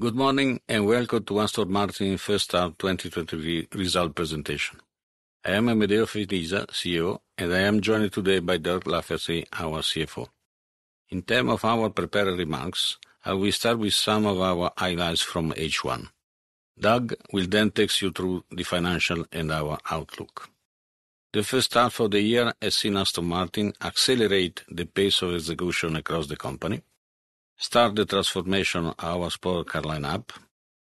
Good morning. Welcome to Aston Martin First Half 2023 Result Presentation. I am Amedeo Felisa, CEO, and I am joined today by Doug Lafferty, our CFO. In term of our prepared remarks, I will start with some of our highlights from H1. Doug will take you through the financial and our outlook. The first half of the year has seen Aston Martin accelerate the pace of execution across the company, start the transformation of our sport car lineup,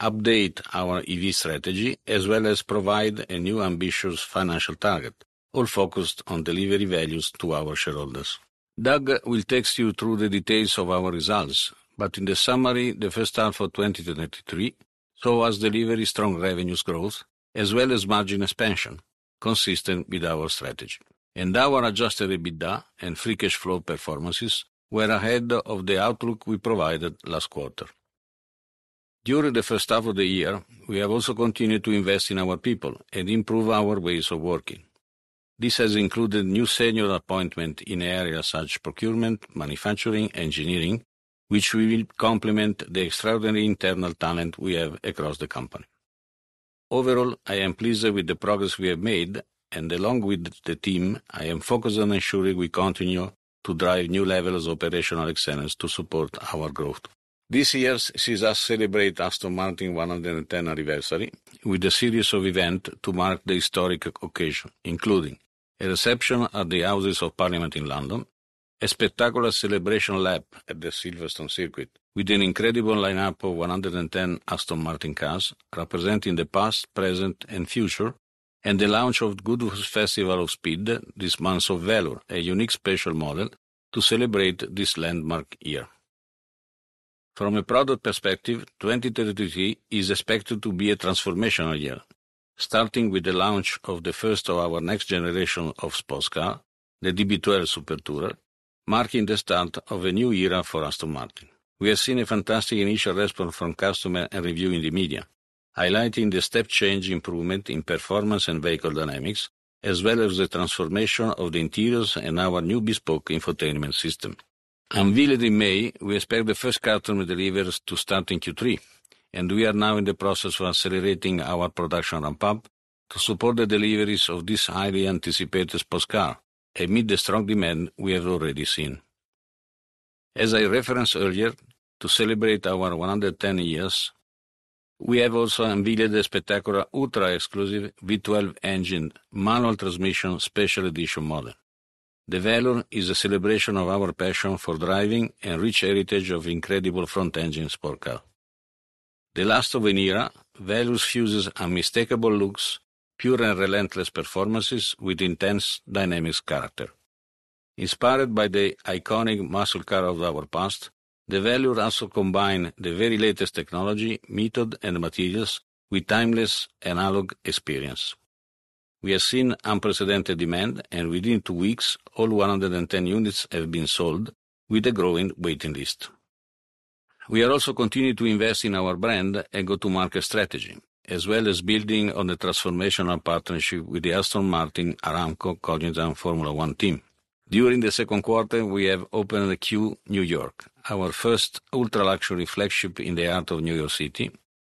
update our EV strategy, as well as provide a new ambitious financial target, all focused on delivering values to our shareholders. Doug will take you through the details of our results. In the summary, the first half of 2023 saw us deliver a strong revenues growth as well as margin expansion, consistent with our strategy. Our adjusted EBITDA and free cash flow performances were ahead of the outlook we provided last quarter. During the first half of the year, we have also continued to invest in our people and improve our ways of working. This has included new senior appointment in areas such procurement, manufacturing, engineering, which we will complement the extraordinary internal talent we have across the company. Overall, I am pleased with the progress we have made, and along with the team, I am focused on ensuring we continue to drive new levels of operational excellence to support our growth. This year sees us celebrate Aston Martin 110th anniversary with a series of event to mark the historic occasion, including a reception at the Houses of Parliament in London, a spectacular celebration lap at the Silverstone Circuit with an incredible lineup of 110 Aston Martin cars representing the past, present, and future, and the launch of Goodwood Festival of Speed, this month of Valour, a unique special model to celebrate this landmark year. From a product perspective, 2023 is expected to be a transformational year, starting with the launch of the first of our next generation of sports car, the DB12 Super Tourer, marking the start of a new era for Aston Martin. We have seen a fantastic initial response from customer and review in the media, highlighting the step change improvement in performance and vehicle dynamics, as well as the transformation of the interiors and our new bespoke infotainment system. Unveiled in May, we expect the first customer deliveries to start in Q3. We are now in the process of accelerating our production ramp-up to support the deliveries of this highly anticipated sports car amid the strong demand we have already seen. As I referenced earlier, to celebrate our 110 years, we have also unveiled the spectacular, ultra-exclusive V12 engine, manual transmission, special edition model. The Valour is a celebration of our passion for driving and rich heritage of incredible front-engine sports car. The last of an era, Valour fuses unmistakable looks, pure and relentless performances with intense dynamic character. Inspired by the iconic muscle car of our past, the Valour also combine the very latest technology, method, and materials with timeless analog experience. Within two weeks, all 110 units have been sold with a growing waiting list. We are also continuing to invest in our brand and go-to-market strategy, as well as building on the transformational partnership with the Aston Martin Aramco Cognizant Formula One team. During the second quarter, we have opened the Q New York, our first ultra-luxury flagship in the heart of New York City,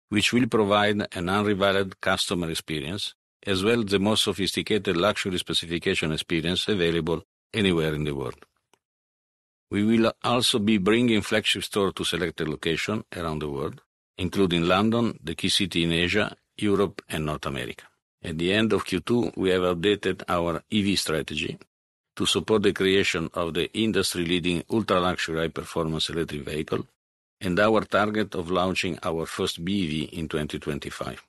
which will provide an unrivaled customer experience, as well as the most sophisticated luxury specification experience available anywhere in the world. We will also be bringing flagship store to selected location around the world, including London, the key city in Asia, Europe, and North America. At the end of Q2, we have updated our EV strategy to support the creation of the industry-leading ultra-luxury, high-performance electric vehicle and our target of launching our first BEV in 2025.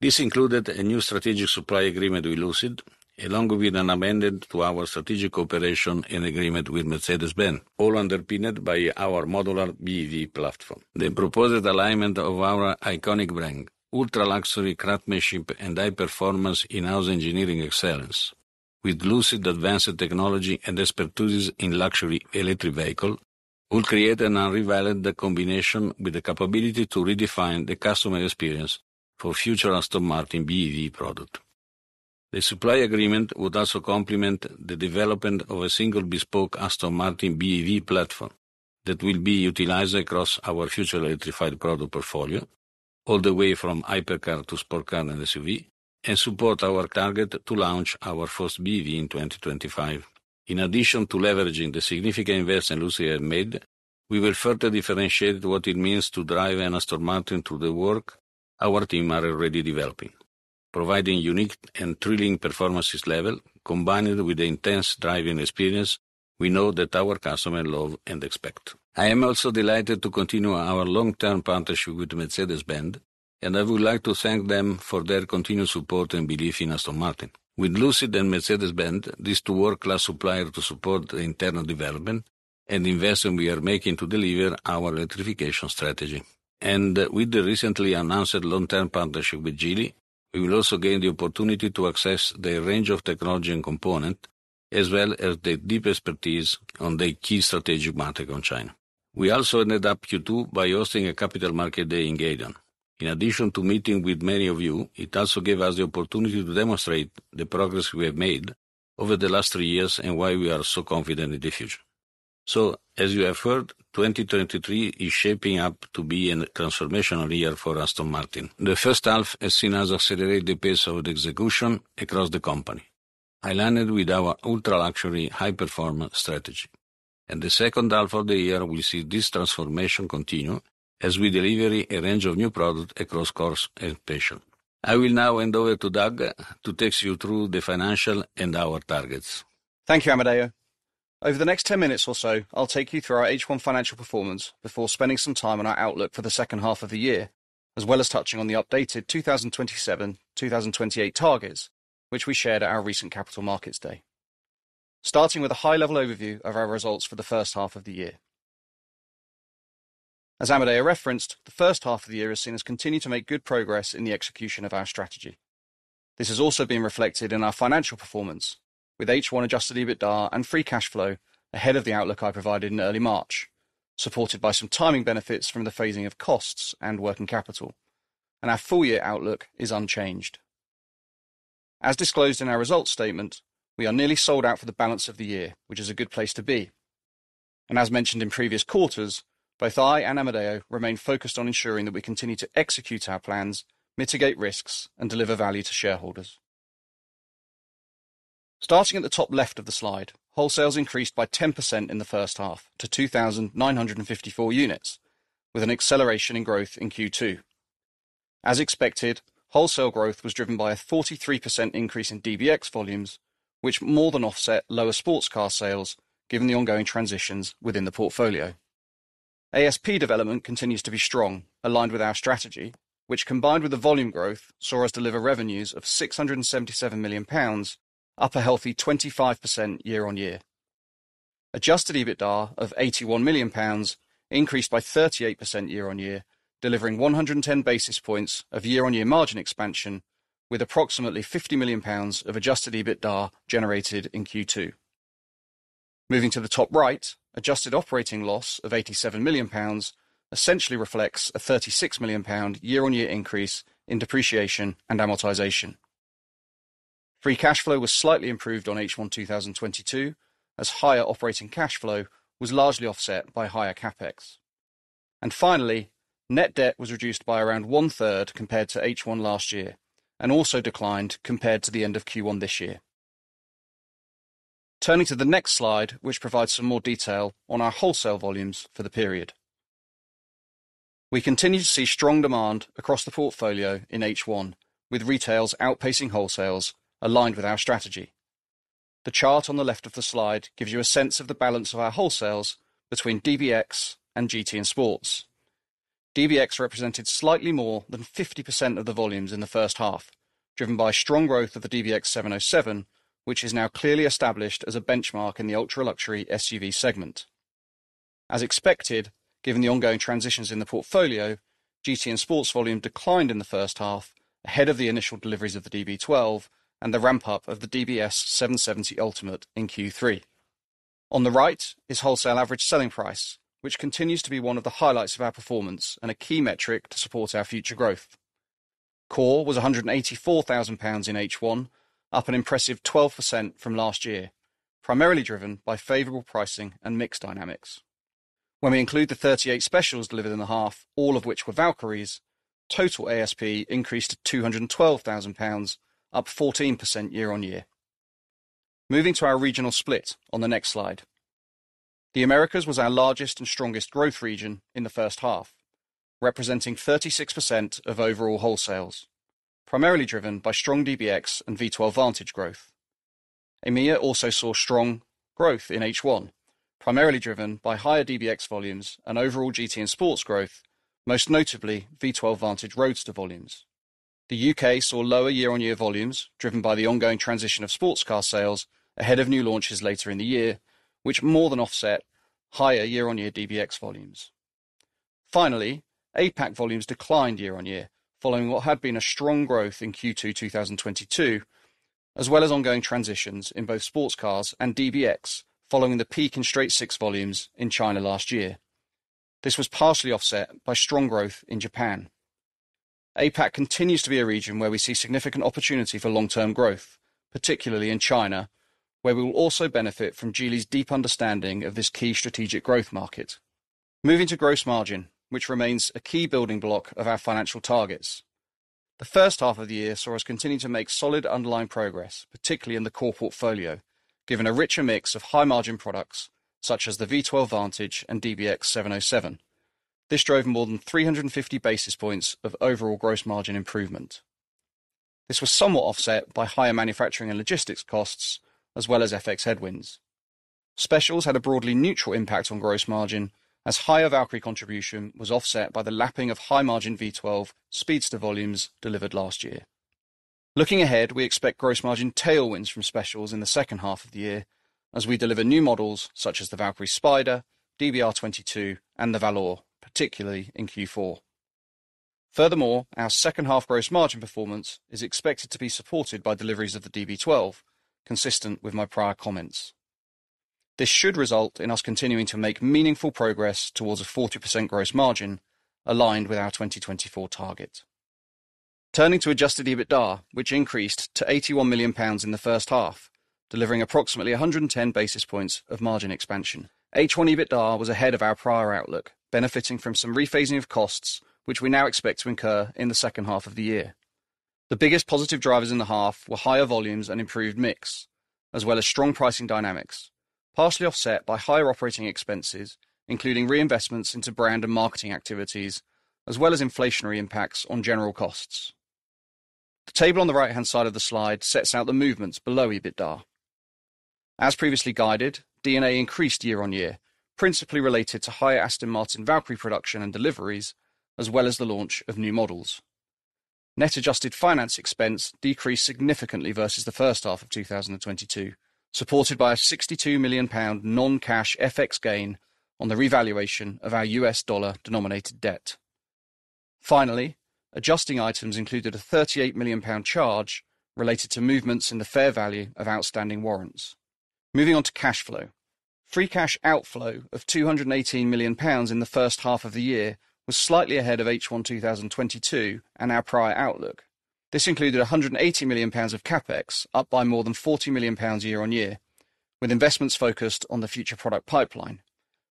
This included a new strategic supply agreement with Lucid, along with an amendment to our strategic operation and agreement with Mercedes-Benz, all underpinned by our modular BEV platform. The proposed alignment of our iconic brand, ultra-luxury, craftsmanship, and high-performance in-house engineering excellence with Lucid advanced technology and expertise in luxury electric vehicle, will create an unrivaled combination with the capability to redefine the customer experience for future Aston Martin BEV product. The supply agreement would also complement the development of a single bespoke Aston Martin BEV platform that will be utilized across our future electrified product portfolio, all the way from hypercar to sport car and SUV, and support our target to launch our first BEV in 2025. In addition to leveraging the significant investment Lucid have made, we will further differentiate what it means to drive an Aston Martin through the work our team are already developing, providing unique and thrilling performances level, combined with the intense driving experience we know that our customers love and expect. I am also delighted to continue our long-term partnership with Mercedes-Benz. I would like to thank them for their continued support and belief in Aston Martin. With Lucid and Mercedes-Benz, these two world-class supplier to support the internal development and investment we are making to deliver our electrification strategy. With the recently announced long-term partnership with Geely, we will also gain the opportunity to access their range of technology and component, as well as their deep expertise on the key strategic market on China. We also ended Q2 by hosting a Capital Markets Day in Gaydon. In addition to meeting with many of you, it also gave us the opportunity to demonstrate the progress we have made over the last three years and why we are so confident in the future. As you have heard, 2023 is shaping up to be a transformational year for Aston Martin. The first half has seen us accelerate the pace of the execution across the company, aligned with our ultra-luxury, high-performance strategy. In the second half of the year, we see this transformation continue as we deliver a range of new products across cores and special. I will now hand over to Doug to take you through the financial and our targets. Thank you, Amedeo. Over the next 10 minutes or so, I'll take you through our H1 financial performance before spending some time on our outlook for the second half of the year, as well as touching on the updated 2027, 2028 targets, which we shared at our recent Capital Markets Day. Starting with a high-level overview of our results for the first half of the year. As Amedeo referenced, the first half of the year has seen us continue to make good progress in the execution of our strategy. This has also been reflected in our financial performance, with H1 adjusted EBITDA and free cash flow ahead of the outlook I provided in early March, supported by some timing benefits from the phasing of costs and working capital. Our full-year outlook is unchanged. As disclosed in our results statement, we are nearly sold out for the balance of the year, which is a good place to be. As mentioned in previous quarters, both I and Amedeo remain focused on ensuring that we continue to execute our plans, mitigate risks, and deliver value to shareholders. Starting at the top left of the slide, wholesales increased by 10% in the first half to 2,954 units, with an acceleration in growth in Q2. As expected, wholesale growth was driven by a 43% increase in DBX volumes, which more than offset lower sports car sales, given the ongoing transitions within the portfolio. ASP development continues to be strong, aligned with our strategy, which, combined with the volume growth, saw us deliver revenues of 677 million pounds, up a healthy 25% year-on-year. Adjusted EBITDA of 81 million pounds increased by 38% year-on-year, delivering 110 basis points of year-on-year margin expansion, with approximately 50 million pounds of adjusted EBITDA generated in Q2. Moving to the top right, adjusted operating loss of 87 million pounds essentially reflects a 36 million pound year-on-year increase in depreciation and amortization. Free cash flow was slightly improved on H1 2022, as higher operating cash flow was largely offset by higher CapEx. Finally, net debt was reduced by around 1/3 compared to H1 last year, and also declined compared to the end of Q1 this year. Turning to the next slide, which provides some more detail on our wholesale volumes for the period. We continue to see strong demand across the portfolio in H1, with retails outpacing wholesales aligned with our strategy. The chart on the left of the slide gives you a sense of the balance of our wholesales between DBX and GT and sports. DBX represented slightly more than 50% of the volumes in the first half, driven by strong growth of the DBX707, which is now clearly established as a benchmark in the ultra-luxury SUV segment. As expected, given the ongoing transitions in the portfolio, GT and sports volume declined in the first half, ahead of the initial deliveries of the DB12 and the ramp-up of the DBS 770 Ultimate in Q3. On the right is wholesale average selling price, which continues to be one of the highlights of our performance and a key metric to support our future growth. Core was 184,000 pounds in H1, up an impressive 12% from last year, primarily driven by favorable pricing and mix dynamics. When we include the 38 specials delivered in the half, all of which were Valkyries, total ASP increased to 212,000 pounds, up 14% year-on-year. Moving to our regional split on the next slide. The Americas was our largest and strongest growth region in the first half, representing 36% of overall wholesales, primarily driven by strong DBX and V12 Vantage growth. EMEA also saw strong growth in H1, primarily driven by higher DBX volumes and overall GT and sports growth, most notably V12 Vantage Roadster volumes. The U.K. saw lower year-on-year volumes, driven by the ongoing transition of sports car sales ahead of new launches later in the year, which more than offset higher year-on-year DBX volumes. Finally, APAC volumes declined year on year, following what had been a strong growth in Q2 2022, as well as ongoing transitions in both sports cars and DBX, following the peak in straight-six volumes in China last year. This was partially offset by strong growth in Japan. APAC continues to be a region where we see significant opportunity for long-term growth, particularly in China, where we will also benefit from Geely's deep understanding of this key strategic growth market. Moving to gross margin, which remains a key building block of our financial targets. The first half of the year saw us continue to make solid underlying progress, particularly in the core portfolio, given a richer mix of high-margin products such as the V12 Vantage and DBX707. This drove more than 350 basis points of overall gross margin improvement. This was somewhat offset by higher manufacturing and logistics costs, as well as FX headwinds. Specials had a broadly neutral impact on gross margin, as higher Valkyrie contribution was offset by the lapping of high-margin V12 Speedster volumes delivered last year. Looking ahead, we expect gross margin tailwinds from specials in the second half of the year as we deliver new models such as the Valkyrie Spider, DBR22, and the Valour, particularly in Q4. Our second-half gross margin performance is expected to be supported by deliveries of the DB12, consistent with my prior comments. This should result in us continuing to make meaningful progress towards a 40% gross margin aligned with our 2024 target. Turning to adjusted EBITDA, which increased to 81 million pounds in the first half, delivering approximately 110 basis points of margin expansion. H1 EBITDA was ahead of our prior outlook, benefiting from some rephasing of costs, which we now expect to incur in the second half of the year. The biggest positive drivers in the half were higher volumes and improved mix, as well as strong pricing dynamics, partially offset by higher operating expenses, including reinvestments into brand and marketing activities, as well as inflationary impacts on general costs. The table on the right-hand side of the slide sets out the movements below EBITDA. As previously guided, D&A increased year-on-year, principally related to higher Aston Martin Valkyrie production and deliveries, as well as the launch of new models. Net adjusted finance expense decreased significantly versus the first half of 2022, supported by a 62 million pound non-cash FX gain on the revaluation of our U.S. dollar-denominated debt. Adjusting items included a 38 million pound charge related to movements in the fair value of outstanding warrants. Moving on to cash flow. Free cash outflow of 218 million pounds in the first half of the year was slightly ahead of H1 2022 and our prior outlook. This included 180 million pounds of CapEx, up by more than 40 million pounds year-on-year, with investments focused on the future product pipeline,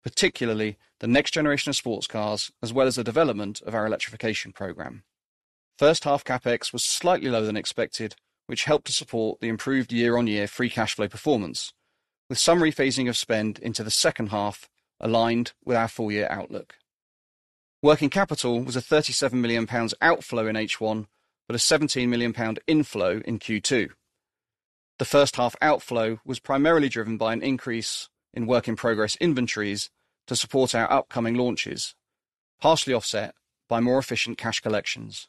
particularly the next generation of sports cars, as well as the development of our electrification program. First half CapEx was slightly lower than expected, which helped to support the improved year-on-year free cash flow performance, with some rephasing of spend into the second half aligned with our full-year outlook. Working capital was a 37 million pounds outflow in H1, but a 17 million pound inflow in Q2. The first half outflow was primarily driven by an increase in work-in-progress inventories to support our upcoming launches, partially offset by more efficient cash collections.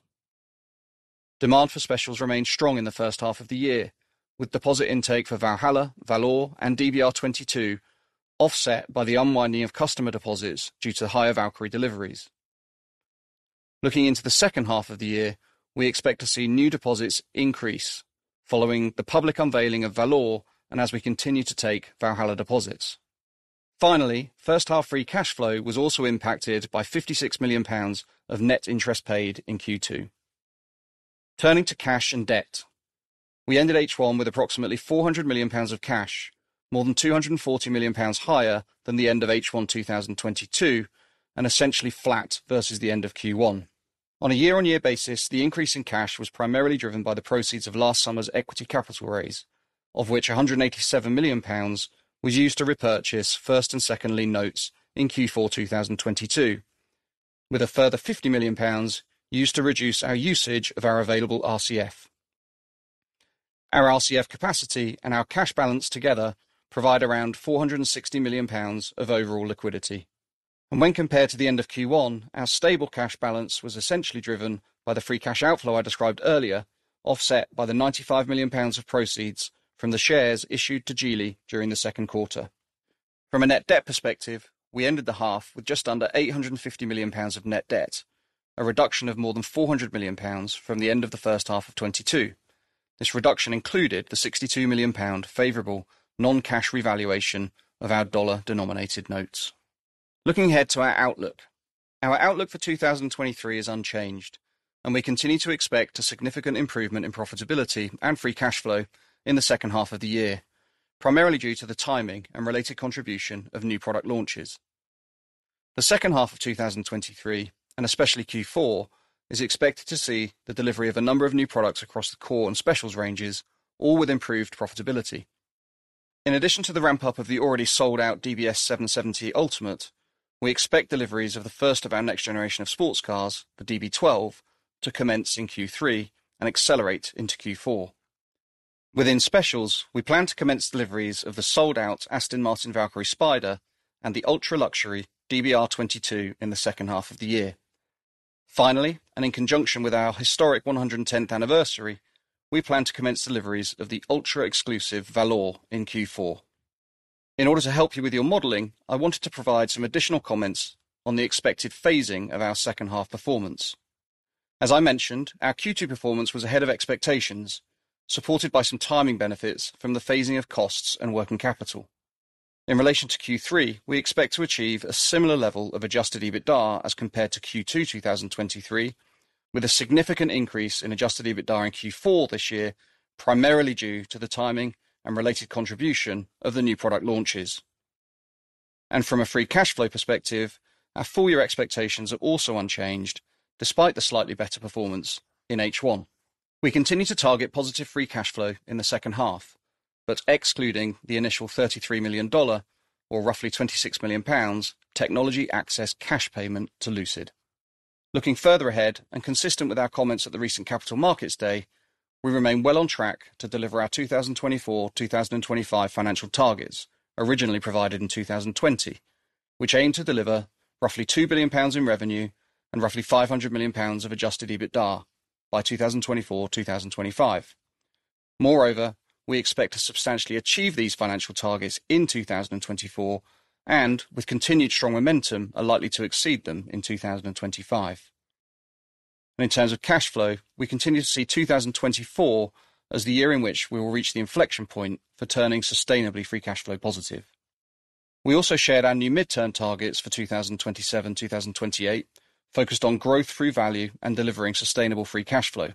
Demand for specials remained strong in the first half of the year, with deposit intake for Valhalla, Valour, and DBR22, offset by the unwinding of customer deposits due to higher Valkyrie deliveries. Looking into the second half of the year, we expect to see new deposits increase following the public unveiling of Valour and as we continue to take Valhalla deposits. Finally, first half free cash flow was also impacted by 56 million pounds of net interest paid in Q2. Turning to cash and debt, we ended H1 with approximately 400 million pounds of cash, more than 240 million pounds higher than the end of H1 2022, and essentially flat versus the end of Q1. On a year-on-year basis, the increase in cash was primarily driven by the proceeds of last summer's equity capital raise, of which 187 million pounds was used to repurchase first and second lien notes in Q4, 2022, with a further 50 million pounds used to reduce our usage of our available RCF. Our RCF capacity and our cash balance together provide around 460 million pounds of overall liquidity. When compared to the end of Q1, our stable cash balance was essentially driven by the free cash outflow I described earlier, offset by the 95 million pounds of proceeds from the shares issued to Geely during the second quarter. From a net debt perspective, we ended the half with just under 850 million pounds of net debt, a reduction of more than 400 million pounds from the end of the first half of 2022. This reduction included the 62 million pound favorable non-cash revaluation of our dollar-denominated notes. Looking ahead to our outlook. Our outlook for 2023 is unchanged, and we continue to expect a significant improvement in profitability and free cash flow in the second half of the year, primarily due to the timing and related contribution of new product launches. The second half of 2023, and especially Q4, is expected to see the delivery of a number of new products across the core and specials ranges, all with improved profitability. In addition to the ramp-up of the already sold-out DBS 770 Ultimate, we expect deliveries of the first of our next generation of sports cars, the DB12, to commence in Q3 and accelerate into Q4. Within specials, we plan to commence deliveries of the sold-out Aston Martin Valkyrie Spider and the ultra-luxury DBR22 in the second half of the year. Finally, in conjunction with our historic 110th anniversary, we plan to commence deliveries of the ultra-exclusive Valour in Q4. In order to help you with your modeling, I wanted to provide some additional comments on the expected phasing of our second half performance. As I mentioned, our Q2 performance was ahead of expectations, supported by some timing benefits from the phasing of costs and working capital. In relation to Q3, we expect to achieve a similar level of adjusted EBITDA as compared to Q2 2023, with a significant increase in adjusted EBITDA in Q4 this year, primarily due to the timing and related contribution of the new product launches. From a free cash flow perspective, our full-year expectations are also unchanged, despite the slightly better performance in H1. We continue to target positive free cash flow in the second half, but excluding the initial $33 million, or roughly 26 million pounds, technology access cash payment to Lucid. Looking further ahead and consistent with our comments at the recent Capital Markets Day, we remain well on track to deliver our 2024, 2025 financial targets, originally provided in 2020, which aim to deliver roughly 2 billion pounds in revenue and roughly 500 million pounds of adjusted EBITDA by 2024, 2025. We expect to substantially achieve these financial targets in 2024, and with continued strong momentum, are likely to exceed them in 2025. In terms of cash flow, we continue to see 2024 as the year in which we will reach the inflection point for turning sustainably free cash flow positive. We also shared our new midterm targets for 2027, 2028, focused on growth through value and delivering sustainable free cash flow.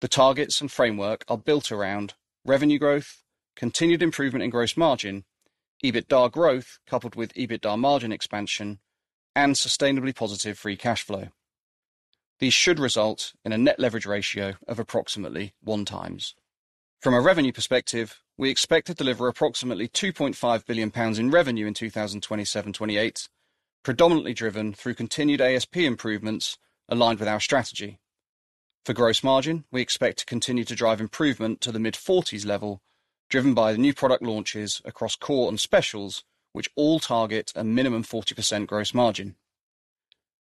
The targets and framework are built around revenue growth, continued improvement in gross margin, EBITDA growth, coupled with EBITDA margin expansion, and sustainably positive free cash flow. These should result in a net leverage ratio of approximately 1x. From a revenue perspective, we expect to deliver approximately 2.5 billion pounds in revenue in 2027, 2028, predominantly driven through continued ASP improvements aligned with our strategy. For gross margin, we expect to continue to drive improvement to the mid-40s level, driven by the new product launches across core and specials, which all target a minimum 40% gross margin.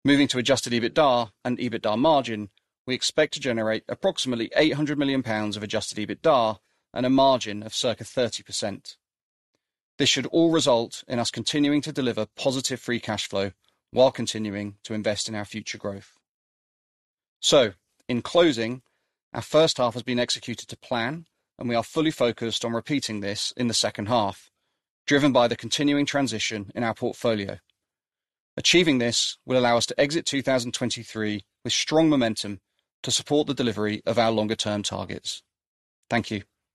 Moving to adjusted EBITDA and EBITDA margin, we expect to generate approximately 800 million pounds of adjusted EBITDA and a margin of circa 30%. This should all result in us continuing to deliver positive free cash flow while continuing to invest in our future growth. In closing, our first half has been executed to plan, and we are fully focused on repeating this in the second half, driven by the continuing transition in our portfolio. Achieving this will allow us to exit 2023 with strong momentum to support the delivery of our longer-term targets. Thank you.